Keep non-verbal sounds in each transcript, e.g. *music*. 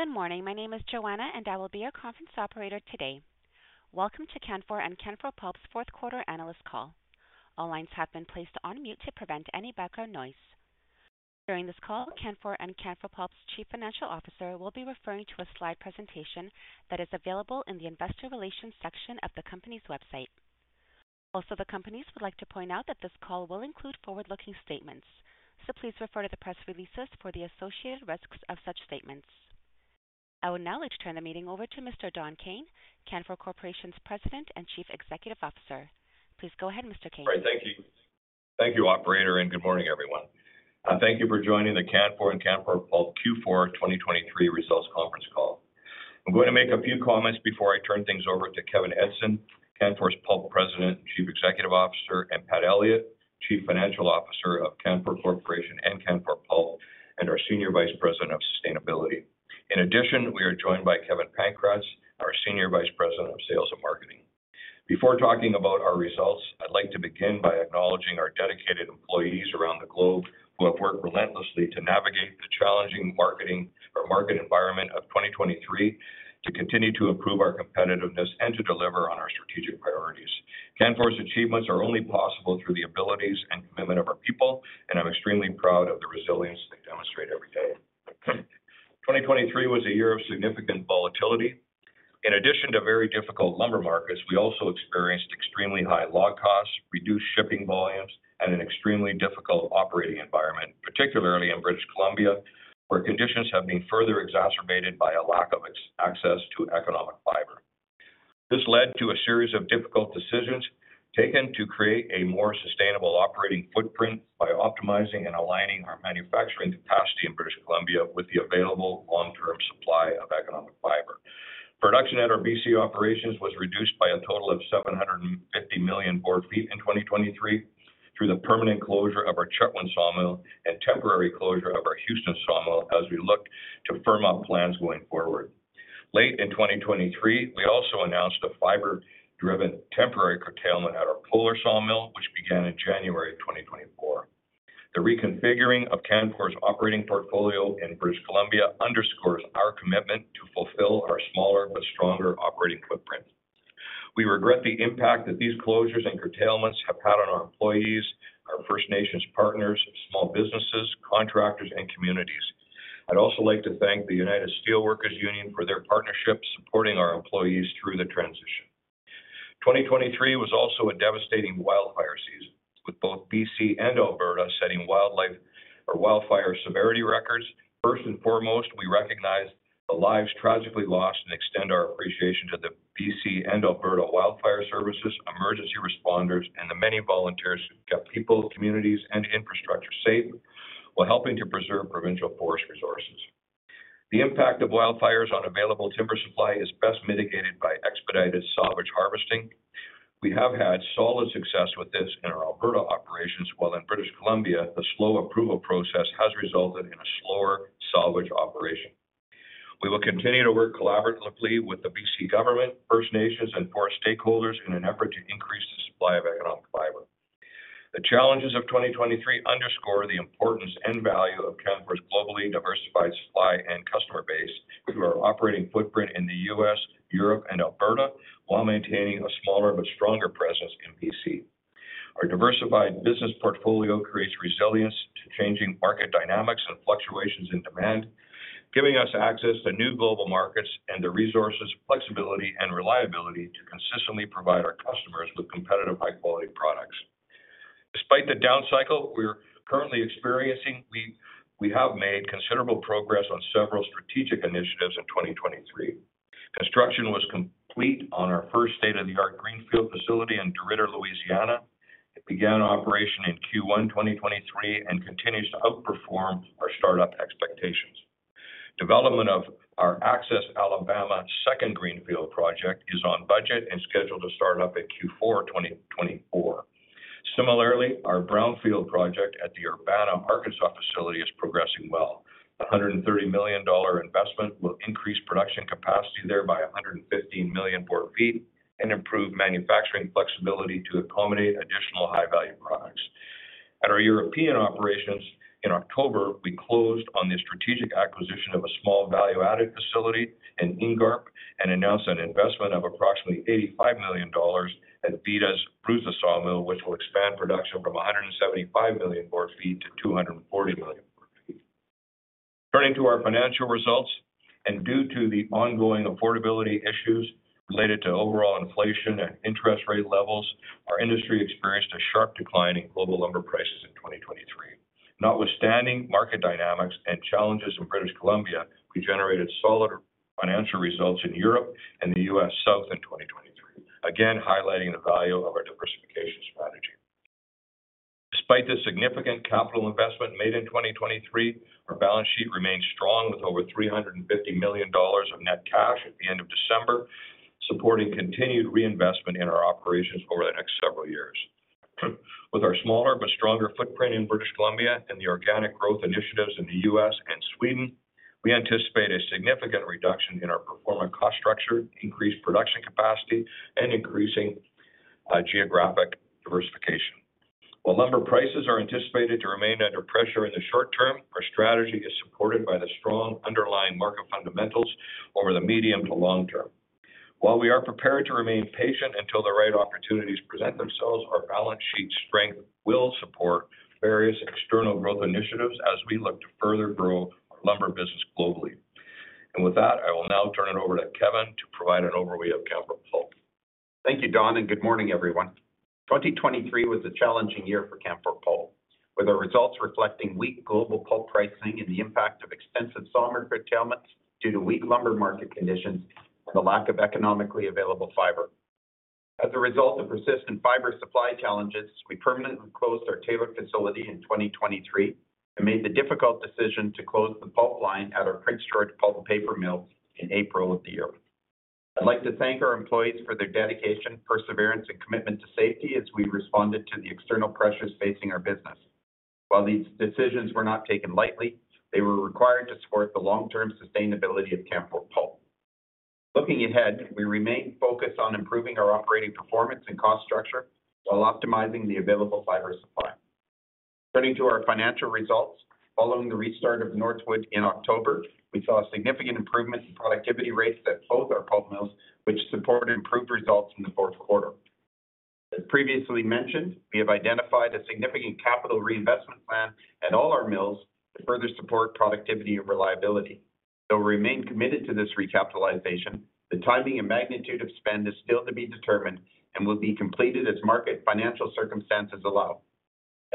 Good morning. My name is Joanna, and I will be your conference operator today. Welcome to Canfor and Canfor Pulp's fourth-quarter analyst call. All lines have been placed on mute to prevent any background noise. During this call, Canfor and Canfor Pulp's Chief Financial Officer will be referring to a slide presentation that is available in the investor relations section of the company's website. Also, the companies would like to point out that this call will include forward-looking statements, so please refer to the press releases for the associated risks of such statements. I will now let you turn the meeting over to Mr. Don Kayne, Canfor Corporation's President and Chief Executive Officer. Please go ahead, Mr. Kayne. All right. Thank you. Thank you, operator, and good morning, everyone. Thank you for joining the Canfor and Canfor Pulp Q4 2023 Results Conference Call. I'm going to make a few comments before I turn things over to Kevin Edgson, Canfor Pulp's President and Chief Executive Officer, and Pat Elliott, Chief Financial Officer of Canfor Corporation and Canfor Pulp, and our Senior Vice President of Sustainability. In addition, we are joined by Kevin Pankratz, our Senior Vice President of Sales and Marketing. Before talking about our results, I'd like to begin by acknowledging our dedicated employees around the globe who have worked relentlessly to navigate the challenging marketing or market environment of 2023, to continue to improve our competitiveness, and to deliver on our strategic priorities. Canfor's achievements are only possible through the abilities and commitment of our people, and I'm extremely proud of the resilience they demonstrate every day. 2023 was a year of significant volatility. In addition to very difficult lumber markets, we also experienced extremely high log costs, reduced shipping volumes, and an extremely difficult operating environment, particularly in British Columbia, where conditions have been further exacerbated by a lack of access to economic fiber. This led to a series of difficult decisions taken to create a more sustainable operating footprint by optimizing and aligning our manufacturing capacity in British Columbia with the available long-term supply of economic fiber. Production at our B.C. operations was reduced by a total of 750 million BF in 2023 through the permanent closure of our Chetwynd sawmill and temporary closure of our Houston sawmill as we looked to firm up plans going forward. Late in 2023, we also announced a fiber-driven temporary curtailment at our Polar sawmill, which began in January of 2024. The reconfiguring of Canfor's operating portfolio in British Columbia underscores our commitment to fulfill our smaller but stronger operating footprint. We regret the impact that these closures and curtailments have had on our employees, our First Nations partners, small businesses, contractors, and communities. I'd also like to thank the United Steelworkers Union for their partnership supporting our employees through the transition. 2023 was also a devastating wildfire season, with both B.C. and Alberta setting wildfire severity records. First and foremost, we recognize the lives tragically lost and extend our appreciation to the B.C. and Alberta wildfire services, emergency responders, and the many volunteers who kept people, communities, and infrastructure safe while helping to preserve provincial forest resources. The impact of wildfires on available timber supply is best mitigated by expedited salvage harvesting. We have had solid success with this in our Alberta operations, while in British Columbia, the slow approval process has resulted in a slower salvage operation. We will continue to work collaboratively with the B.C. government, First Nations, and forest stakeholders in an effort to increase the supply of economic fiber. The challenges of 2023 underscore the importance and value of Canfor's globally diversified supply and customer base through our operating footprint in the U.S., Europe, and Alberta, while maintaining a smaller but stronger presence in B.C.. Our diversified business portfolio creates resilience to changing market dynamics and fluctuations in demand, giving us access to new global markets and the resources, flexibility, and reliability to consistently provide our customers with competitive, high-quality products. Despite the downcycle we're currently experiencing, we have made considerable progress on several strategic initiatives in 2023. Construction was complete on our first state-of-the-art greenfield facility in DeRidder, Louisiana. It began operation in Q1 2023 and continues to outperform our startup expectations. Development of our Axis, Alabama second greenfield project is on budget and scheduled to start up at Q4 2024. Similarly, our brownfield project at the Urbana, Arkansas facility is progressing well. The 130 million dollar investment will increase production capacity there by 115 million BF and improve manufacturing flexibility to accommodate additional high-value products. At our European operations in October, we closed on the strategic acquisition of a small value-added facility, Ingarp, and announced an investment of approximately 85 million dollars at Vida's Bruza sawmill, which will expand production from 175 million BF to 240 million BF. Turning to our financial results, and due to the ongoing affordability issues related to overall inflation and interest rate levels, our industry experienced a sharp decline in global lumber prices in 2023. Notwithstanding market dynamics and challenges in British Columbia, we generated solid financial results in Europe and the U.S. South in 2023, again highlighting the value of our diversification strategy. Despite the significant capital investment made in 2023, our balance sheet remains strong with over 350 million dollars of net cash at the end of December, supporting continued reinvestment in our operations over the next several years. With our smaller but stronger footprint in British Columbia and the organic growth initiatives in the U.S. and Sweden, we anticipate a significant reduction in our performance cost structure, increased production capacity, and increasing geographic diversification. While lumber prices are anticipated to remain under pressure in the short term, our strategy is supported by the strong underlying market fundamentals over the medium to long term. While we are prepared to remain patient until the right opportunities present themselves, our balance sheet strength will support various external growth initiatives as we look to further grow our lumber business globally. With that, I will now turn it over to Kevin to provide an overview of Canfor Pulp. Thank you, Don, and good morning, everyone. 2023 was a challenging year for Canfor Pulp, with our results reflecting weak global pulp pricing and the impact of extensive sawmill curtailments due to weak lumber market conditions and the lack of economically available fiber. As a result of persistent fiber supply challenges, we permanently closed our Taylor facility in 2023 and made the difficult decision to close the pulp line at our Prince George Pulp and Paper Mill in April of the year. I'd like to thank our employees for their dedication, perseverance, and commitment to safety as we responded to the external pressures facing our business. While these decisions were not taken lightly, they were required to support the long-term sustainability of Canfor Pulp. Looking ahead, we remain focused on improving our operating performance and cost structure while optimizing the available fiber supply. Turning to our financial results, following the restart of Northwood in October, we saw a significant improvement in productivity rates at both our pulp mills, which supported improved results in the fourth quarter. As previously mentioned, we have identified a significant capital reinvestment plan at all our mills to further support productivity and reliability. Though we remain committed to this recapitalization, the timing and magnitude of spend is still to be determined and will be completed as market financial circumstances allow.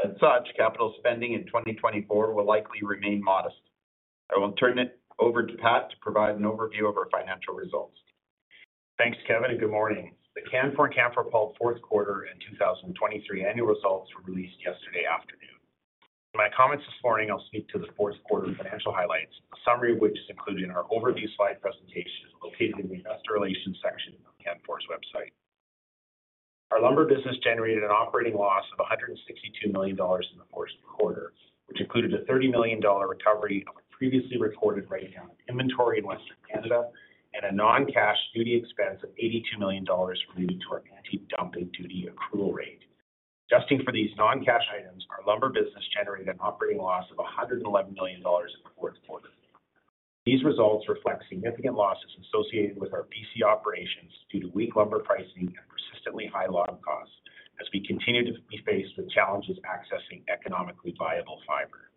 As such, capital spending in 2024 will likely remain modest. I will turn it over to Pat to provide an overview of our financial results. Thanks, Kevin, and good morning. The Canfor and Canfor Pulp fourth quarter and 2023 annual results were released yesterday afternoon. In my comments this morning, I'll speak to the fourth quarter financial highlights, a summary of which is included in our overview slide presentation located in the investor relations section on Canfor's website. Our lumber business generated an operating loss of 162 million dollars in the fourth quarter, which included a 30 million dollar recovery of a previously recorded write-down of inventory in Western Canada and a non-cash duty expense of 82 million dollars related to our anti-dumping duty accrual rate. Adjusting for these non-cash items, our lumber business generated an operating loss of 111 million dollars in the fourth quarter. These results reflect significant losses associated with our B.C. operations due to weak lumber pricing and persistently high log costs as we continue to be faced with challenges accessing economically viable fiber.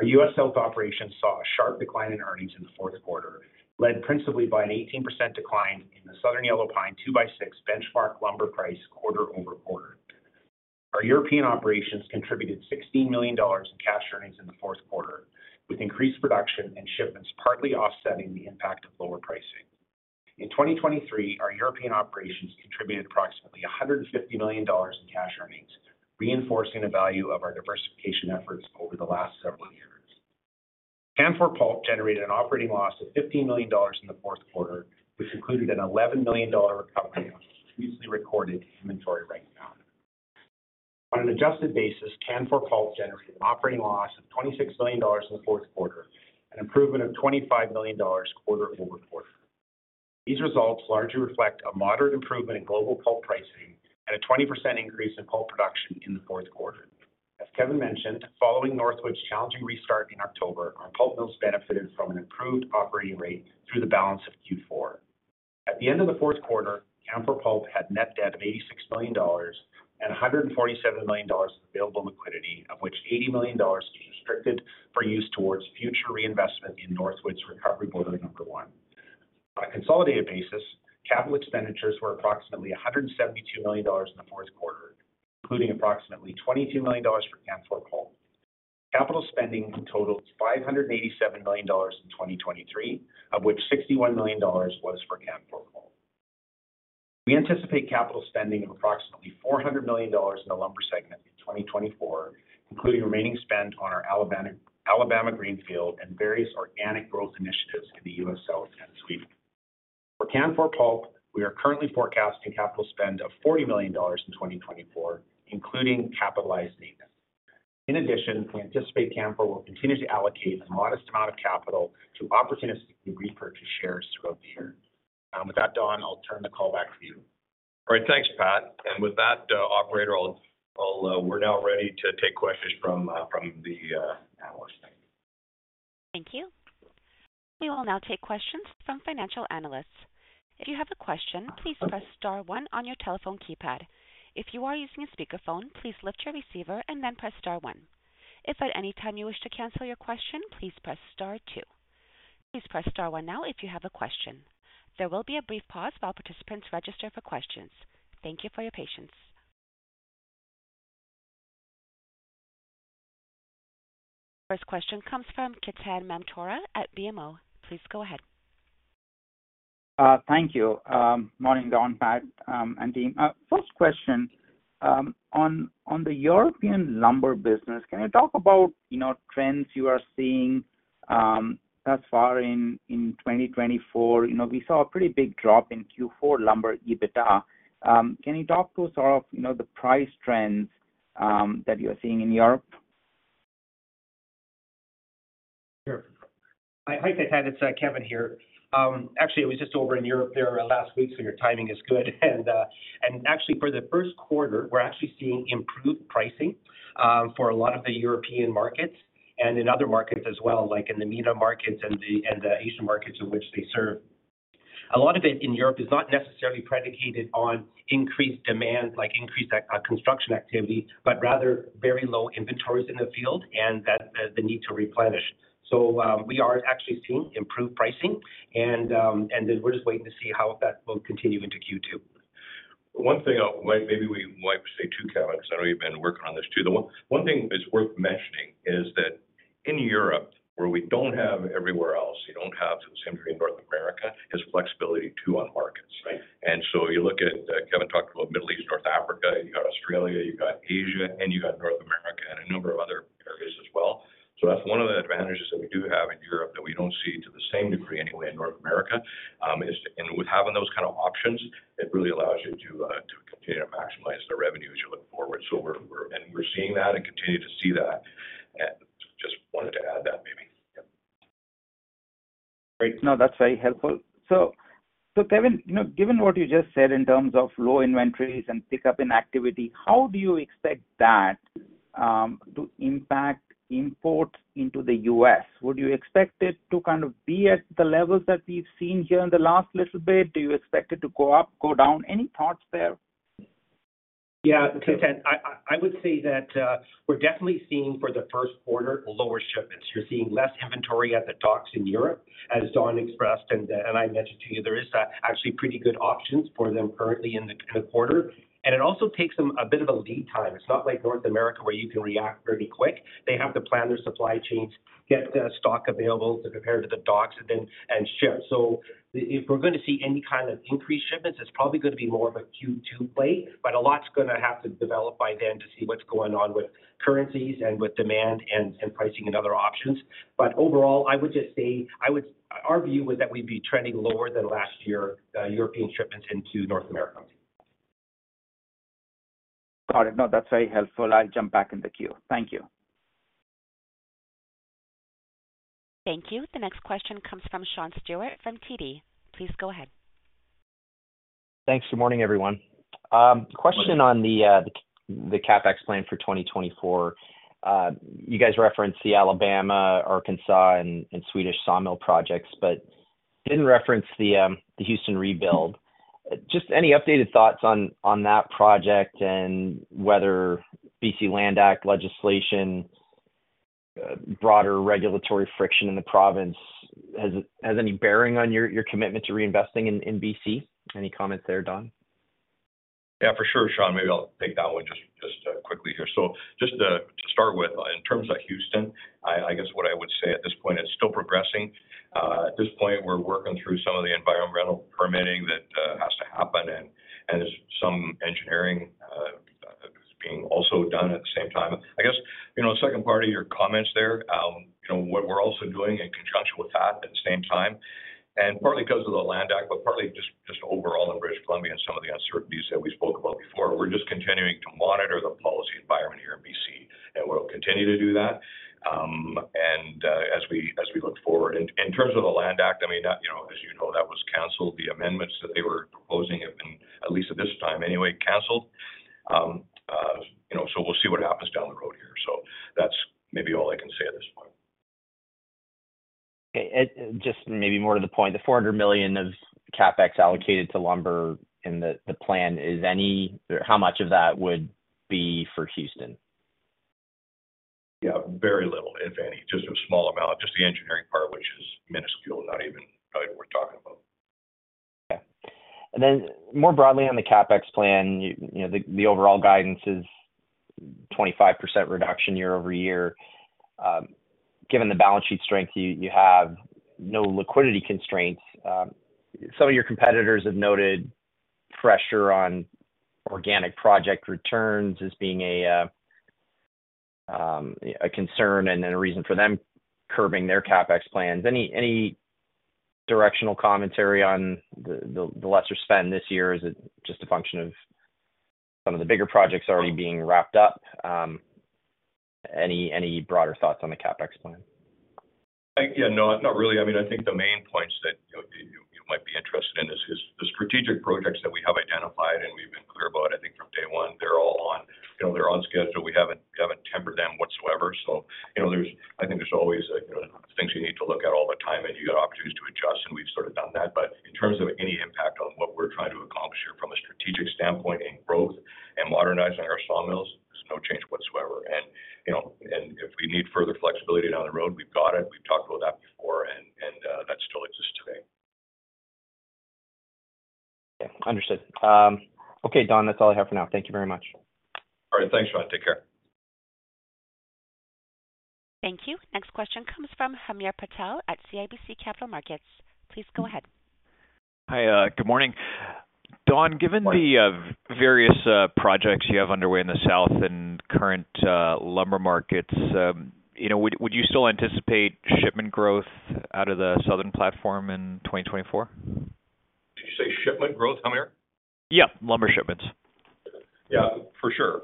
Our U.S. South operations saw a sharp decline in earnings in the fourth quarter, led principally by an 18% decline in the Southern Yellow Pine 2x6 benchmark lumber price quarter-over-quarter. Our European operations contributed 16 million dollars in cash earnings in the fourth quarter, with increased production and shipments partly offsetting the impact of lower pricing. In 2023, our European operations contributed approximately 150 million dollars in cash earnings, reinforcing the value of our diversification efforts over the last several years. Canfor Pulp generated an operating loss of 15 million dollars in the fourth quarter, which included an 11 million dollar recovery of our previously recorded inventory write-down. On an adjusted basis, Canfor Pulp generated an operating loss of 26 million dollars in the fourth quarter and an improvement of 25 million dollars quarter-over-quarter. These results largely reflect a moderate improvement in global pulp pricing and a 20% increase in pulp production in the fourth quarter. As Kevin mentioned, following Northwood's challenging restart in October, our pulp mills benefited from an improved operating rate through the balance of Q4. At the end of the fourth quarter, Canfor Pulp had net debt of 86 million dollars and 147 million dollars of available liquidity, of which 80 million dollars is restricted for use towards future reinvestment in Northwood's recovery boiler number one. On a consolidated basis, capital expenditures were approximately 172 million dollars in the fourth quarter, including approximately 22 million dollars for Canfor Pulp. Capital spending totals 587 million dollars in 2023, of which 61 million dollars was for Canfor Pulp. We anticipate capital spending of approximately 400 million dollars in the lumber segment in 2024, including remaining spend on our Alabama greenfield and various organic growth initiatives in the U.S. South and Sweden. For Canfor Pulp, we are currently forecasting capital spend of 40 million dollars in 2024, including capitalized maintenance. In addition, we anticipate Canfor will continue to allocate a modest amount of capital to opportunistically repurchase shares throughout the year. With that, Don, I'll turn the call back to you. All right, thanks, Pat. And with that, operator, we're now ready to take questions from the panelists. Thank you. We will now take questions from financial analysts. If you have a question, please press star one on your telephone keypad. If you are using a speakerphone, please lift your receiver and then press star one. If at any time you wish to cancel your question, please press star two. Please press star one now if you have a question. There will be a brief pause while participants register for questions. Thank you for your patience. First question comes from Ketan Mamtora at BMO. Please go ahead. Thank you. Morning, Don, Pat, and team. First question, on the European lumber business, can you talk about trends you are seeing thus far in 2024? We saw a pretty big drop in Q4 lumber EBITDA. Can you talk to us sort of the price trends that you are seeing in Europe? Sure. Hi, Ketan. It's Kevin here. Actually, it was just over in Europe there last week, so your timing is good. And actually, for the first quarter, we're actually seeing improved pricing for a lot of the European markets and in other markets as well, like in the MENA markets and the Asian markets in which they serve. A lot of it in Europe is not necessarily predicated on increased demand, like increased construction activity, but rather very low inventories in the field and the need to replenish. So we are actually seeing improved pricing, and then we're just waiting to see how that will continue into Q2. One thing we might say too, Kevin, because I know you've been working on this too. One thing that's worth mentioning is that in Europe, where we don't have everywhere else you don't have to the same degree in North America, is flexibility too on markets. So you look at Kevin talked about Middle East and North Africa, you got Australia, you got Asia, and you got North America and a number of other areas as well. So that's one of the advantages that we do have in Europe that we don't see to the same degree anyway in North America. With having those kind of options, it really allows you to continue to maximize the revenues you look forward. We're seeing that and continue to see that. Just wanted to add that maybe. Great. No, that's very helpful. So Kevin, given what you just said in terms of low inventories and pickup in activity, how do you expect that to impact imports into the U.S.? Would you expect it to kind of be at the levels that we've seen here in the last little bit? Do you expect it to go up, go down? Any thoughts there? Yeah, Ketan, I would say that we're definitely seeing for the first quarter lower shipments. You're seeing less inventory at the docks in Europe, as Don expressed, and I mentioned to you, there are actually pretty good options for them currently in the quarter. It also takes them a bit of a lead time. It's not like North America where you can react pretty quick. They have to plan their supply chains, get stock available to compare to the docks, and then ship. If we're going to see any kind of increased shipments, it's probably going to be more of a Q2 play, but a lot's going to have to develop by then to see what's going on with currencies and with demand and pricing and other options. But overall, I would just say our view was that we'd be trending lower than last year European shipments into North America. Got it. No, that's very helpful. I'll jump back in the queue. Thank you. Thank you. The next question comes from Sean Steuart from TD. Please go ahead. Thanks. Good morning, everyone. Question on the CapEx plan for 2024. You guys referenced the Alabama, Arkansas, and Swedish sawmill projects, but didn't reference the Houston rebuild. Just any updated thoughts on that project and whether B.C. Land Act legislation, broader regulatory friction in the province, has any bearing on your commitment to reinvesting in B.C.? Any comments there, Don? Yeah, for sure, Sean. Maybe I'll take that one just quickly here. So just to start with, in terms of Houston, I guess what I would say at this point, it's still progressing. At this point, we're working through some of the environmental permitting that has to happen, and there's some engineering being also done at the same time. I guess, second part of your comments there, what we're also doing in conjunction with that at the same time, and partly because of the Land Act, but partly just overall in British Columbia and some of the uncertainties that we spoke about before, we're just continuing to monitor the policy environment here in B.C., and we'll continue to do that as we look forward. In terms of the Land Act, I mean, as you know, that was canceled. The amendments that they were proposing have been, at least at this time anyway, canceled. We'll see what happens down the road here. That's maybe all I can say at this point. Okay. Just maybe more to the point, the 400 million of CapEx allocated to lumber in the plan, how much of that would be for Houston? Yeah, very little, if any, just a small amount, just the engineering part, which is minuscule, not even worth talking about. Okay. And then more broadly on the CapEx plan, the overall guidance is 25% reduction year-over-year. Given the balance sheet strength you have, no liquidity constraints. Some of your competitors have noted pressure on organic project returns as being a concern and then a reason for them curbing their CapEx plans. Any directional commentary on the lesser spend this year? Is it just a function of some of the bigger projects already being wrapped up? Any broader thoughts on the CapEx plan? Yeah, no, not really. I mean, I think the main points that you might be interested in is the strategic projects that we have identified, and we've been clear about, I think, from day one, they're all on schedule. We haven't tempered them whatsoever. So I think there's always things you need to look at all the time, and you got opportunities to adjust, and we've sort of done that. But in terms of any impact on what we're trying to accomplish here from a strategic standpoint in growth and modernizing our sawmills, there's no change whatsoever. And if we need further flexibility down the road, we've got it. We've talked about that before, and that still exists today. Yeah, understood. Okay, Don, that's all I have for now. Thank you very much. All right. Thanks, Sean. Take care. Thank you. Next question comes from Hamir Patel at CIBC Capital Markets. Please go ahead. Hi. Good morning. Don, given the various projects you have underway in the South and current lumber markets, would you still anticipate shipment growth out of the Southern platform in 2024? Did you say shipment growth, Hamir? Yeah, lumber shipments. Yeah, for sure.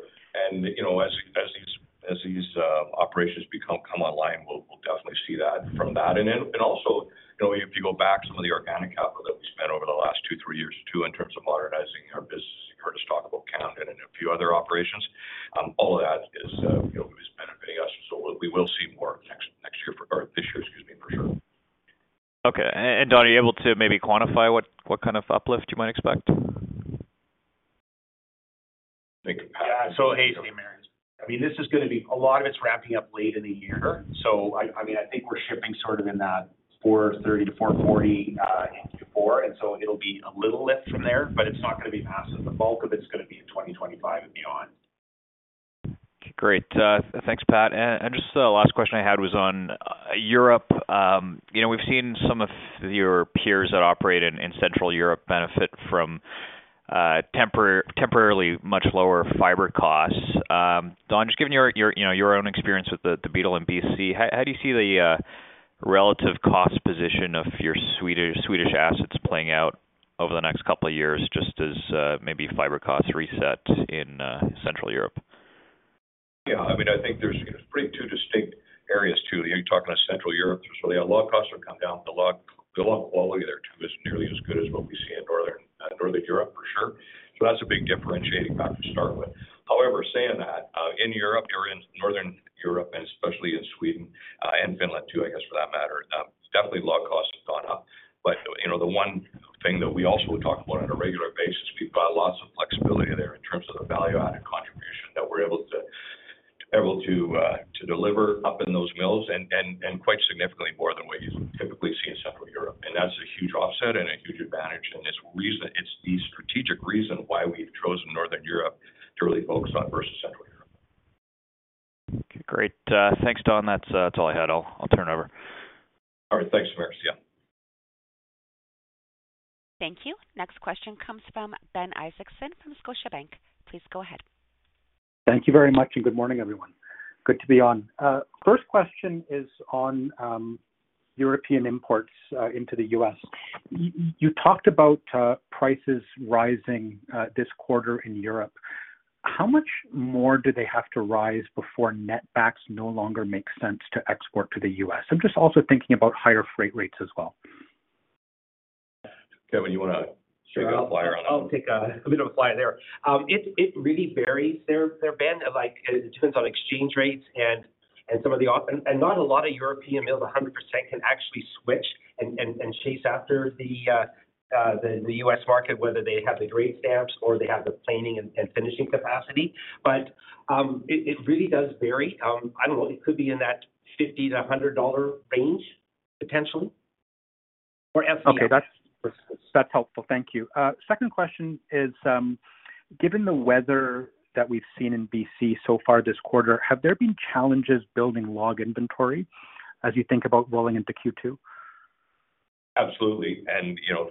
And as these operations come online, we'll definitely see that from that. And also, if you go back, some of the organic capital that we spent over the last 2-3 years too in terms of modernizing our business, you heard us talk about Camden and a few other operations. All of that is benefiting us. So we will see more next year or this year, *audio distortion* for sure. Okay. And Don, are you able to maybe quantify what kind of uplift you might expect? Yeah, so hey Hamir. I mean, this is going to be a lot of it's wrapping up late in the year. So I mean, I think we're shipping sort of in that 430-440 in Q4. And so it'll be a little lift from there, but it's not going to be massive. The bulk of it's going to be in 2025 and beyond. Great. Thanks, Pat. Just the last question I had was on Europe. We've seen some of your peers that operate in Central Europe benefit from temporarily much lower fiber costs. Don, just given your own experience with the beetle in B.C., how do you see the relative cost position of your Swedish assets playing out over the next couple of years just as maybe fiber costs reset in Central Europe? Yeah. I mean, I think there's pretty two distinct areas too. You're talking to Central Europe. There's really a lot of costs that come down, but the log quality there too is nearly as good as what we see in Northern Europe, for sure. So that's a big differentiating factor to start with. However, saying that, in Europe, you're in Northern Europe and especially in Sweden and Finland too, I guess, for that matter. Definitely, log costs have gone up. But the one thing that we also talk about on a regular basis, we've got lots of flexibility there in terms of the value-added contribution that we're able to deliver up in those mills and quite significantly more than what you typically see in Central Europe. And that's a huge offset and a huge advantage. It's the strategic reason why we've chosen Northern Europe to really focus on versus Central Europe. Okay. Great. Thanks, Don. That's all I had. I'll turn over. All right. Thanks, Hamir. Yeah. Thank you. Next question comes from Ben Isaacson from Scotiabank. Please go ahead. Thank you very much, and good morning, everyone. Good to be on. First question is on European imports into the U.S. You talked about prices rising this quarter in Europe. How much more do they have to rise before netbacks no longer make sense to export to the U.S.? I'm just also thinking about higher freight rates as well. Kevin, you want to shake a flyer on that? I'll take a bit of a flyer there. It really varies. It depends on exchange rates and some of the, and not a lot of European mills 100% can actually switch and chase after the U.S. market, whether they have the grade stamps or they have the planing and finishing capacity. But it really does vary. I don't know. It could be in that 50-100 dollar range, potentially, or. *audio distortion* Okay. That's helpful. Thank you. Second question is, given the weather that we've seen in B.C. so far this quarter, have there been challenges building log inventory as you think about rolling into Q2? Absolutely.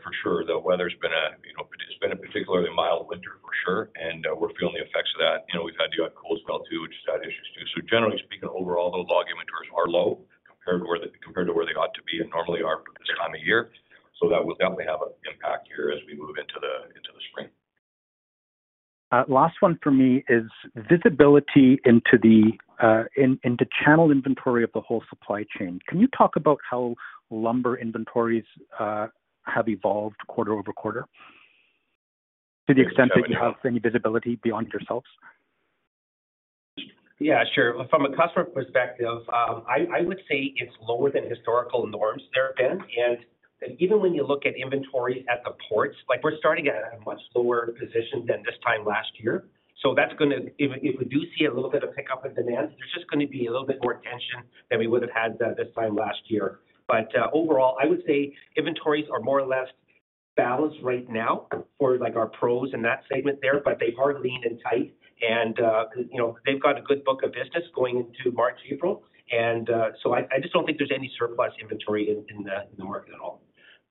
For sure, the weather's been. It's been a particularly mild winter, for sure, and we're feeling the effects of that. We've had a cold spell too, which has had issues too. So generally speaking, overall, those log inventories are low compared to where they ought to be and normally are for this time of year. That will definitely have an impact here as we move into the spring. Last one for me is visibility into channel inventory of the whole supply chain. Can you talk about how lumber inventories have evolved quarter-over-quarter to the extent that you have any visibility beyond yourselves? Yeah, sure. From a customer perspective, I would say it's lower than historical norms there have been. And even when you look at inventories at the ports, we're starting at a much lower position than this time last year. So if we do see a little bit of pickup in demand, there's just going to be a little bit more tension than we would have had this time last year. But overall, I would say inventories are more or less balanced right now for our pros in that segment there, but they are lean and tight, and they've got a good book of business going into March, April. And so I just don't think there's any surplus inventory in the market at all.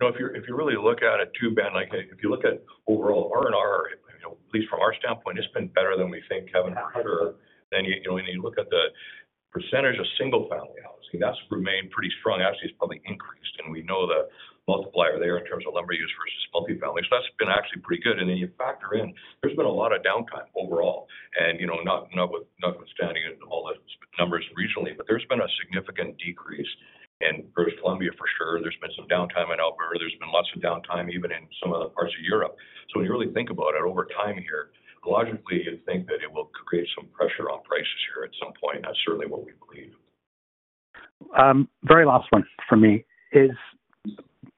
If you really look at it too, Ben, if you look at overall R&R, at least from our standpoint, it's been better than we think, Kevin and. *audio distortion* And you look at the percentage of single-family housing, that's remained pretty strong. Actually, it's probably increased, and we know the multiplier there in terms of lumber use versus multifamily. So that's been actually pretty good. And then you factor in there's been a lot of downtime overall, and notwithstanding all the numbers regionally, but there's been a significant decrease in British Columbia, for sure. There's been some downtime in Alberta. There's been lots of downtime even in some other parts of Europe. So when you really think about it over time here, logically, you'd think that it will create some pressure on prices here at some point. That's certainly what we believe. Very last one for me is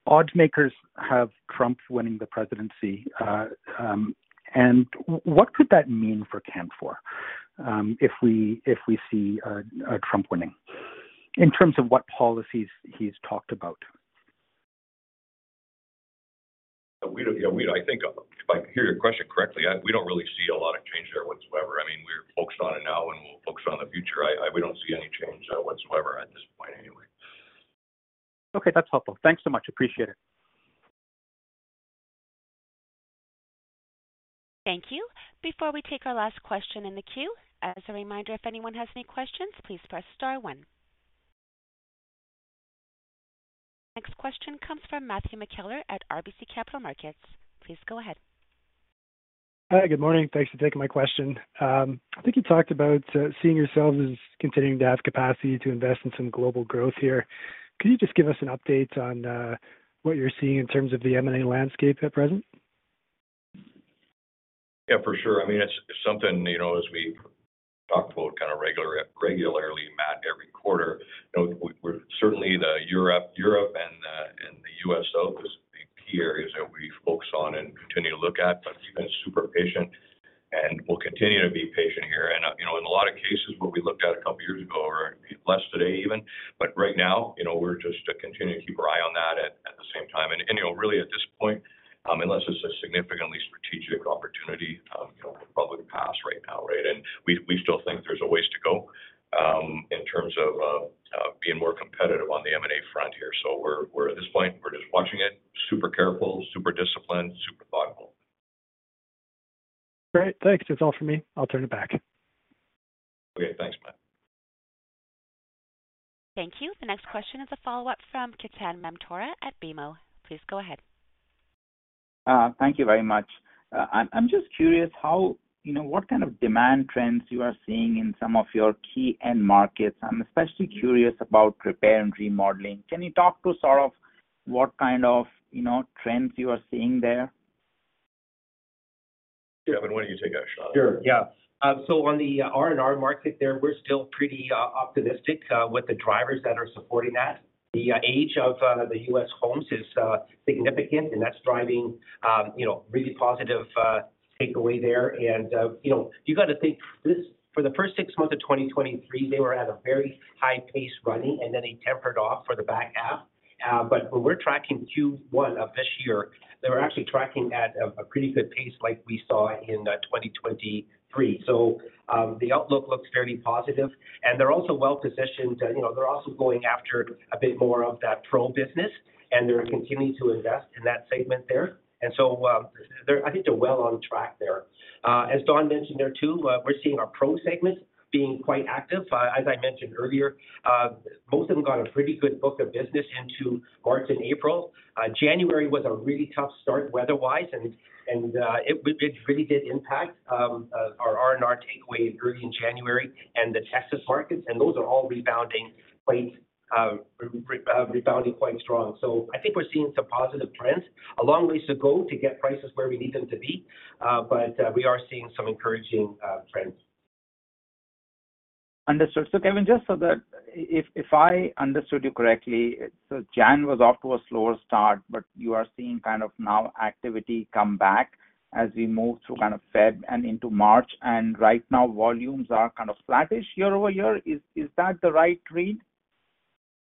oddsmakers have Trump winning the presidency. And what could that mean for Canfor if we see Trump winning in terms of what policies he's talked about? Yeah, I think if I hear your question correctly, we don't really see a lot of change there whatsoever. I mean, we're focused on it now, and we'll focus on the future. We don't see any change whatsoever at this point anyway. Okay. That's helpful. Thanks so much. Appreciate it. Thank you. Before we take our last question in the queue, as a reminder, if anyone has any questions, please press star one. Next question comes from Matthew McKellar at RBC Capital Markets. Please go ahead. Hi. Good morning. Thanks for taking my question. I think you talked about seeing yourselves as continuing to have capacity to invest in some global growth here. Could you just give us an update on what you're seeing in terms of the M&A landscape at present? Yeah, for sure. I mean, it's something, as we talked about kind of regularly, Matt, every quarter. Certainly, Europe and the U.S. South are the key areas that we focus on and continue to look at. But we've been super patient and will continue to be patient here. And in a lot of cases, what we looked at a couple of years ago or less today even, but right now, we're just continuing to keep our eye on that at the same time. And really, at this point, unless it's a significantly strategic opportunity, we'll probably pass right now, right? And we still think there's a ways to go in terms of being more competitive on the M&A front here. So at this point, we're just watching it, super careful, super disciplined, super thoughtful. Great. Thanks. That's all from me. I'll turn it back. Okay. Thanks, Matt. Thank you. The next question is a follow-up from Ketan Mamtora at BMO. Please go ahead. Thank you very much. I'm just curious what kind of demand trends you are seeing in some of your key end markets. I'm especially curious about repair and remodeling. Can you talk to sort of what kind of trends you are seeing there? Sure, Kevin. Why don't you take a shot? Sure. Yeah. So on the R&R market there, we're still pretty optimistic with the drivers that are supporting that. The age of the U.S. homes is significant, and that's driving really positive takeaway there. And you got to think for the first six months of 2023, they were at a very high pace running, and then they tempered off for the back half. But when we're tracking Q1 of this year, they were actually tracking at a pretty good pace like we saw in 2023. So the outlook looks fairly positive. And they're also well-positioned. They're also going after a bit more of that pro business, and they're continuing to invest in that segment there. And so I think they're well on track there. As Don mentioned there too, we're seeing our pro segments being quite active. As I mentioned earlier, most of them got a pretty good book of business into March and April. January was a really tough start weather-wise, and it really did impact our R&R takeaway early in January and the Texas markets. Those are all rebounding quite strong. I think we're seeing some positive trends. A long ways to go to get prices where we need them to be, but we are seeing some encouraging trends. Understood. So Kevin, just so that if I understood you correctly, so January was off to a slower start, but you are seeing kind of now activity come back as we move through kind of February and into March. Right now, volumes are kind of flattish year-over-year. Is that the right read?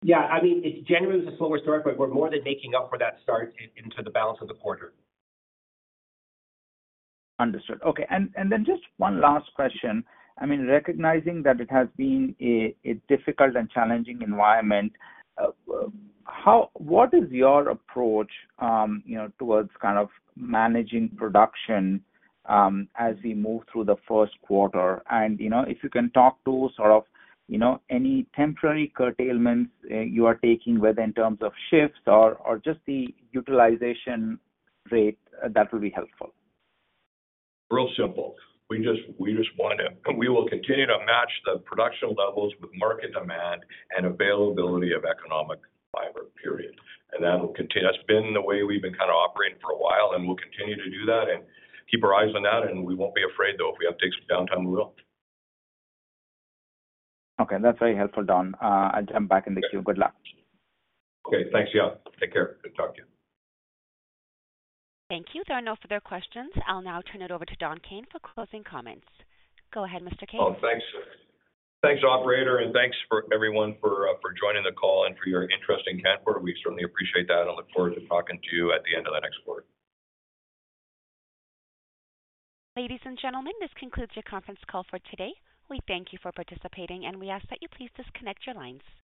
Yeah. I mean, January was a slower start, but we're more than making up for that start into the balance of the quarter. Understood. Okay. Just one last question. I mean, recognizing that it has been a difficult and challenging environment, what is your approach towards kind of managing production as we move through the first quarter? And if you can talk to sort of any temporary curtailments you are taking whether in terms of shifts or just the utilization rate, that will be helpful. Real simple. We just want to. We will continue to match the production levels with market demand and availability of economic fiber, period. That's been the way we've been kind of operating for a while, and we'll continue to do that and keep our eyes on that. We won't be afraid, though. If we have to take some downtime, we will. Okay. That's very helpful, Don. I'll jump back in the queue. Good luck. Okay. Thanks. Yeah. Take care. Good talk to you. Thank you. There are no further questions. I'll now turn it over to Don Kayne for closing comments. Go ahead, Mr. Kayne. Oh, thanks. Thanks, operator, and thanks for everyone for joining the call and for your interest in Canfor. We certainly appreciate that and look forward to talking to you at the end of the next quarter. Ladies and gentlemen, this concludes your conference call for today. We thank you for participating, and we ask that you please disconnect your lines.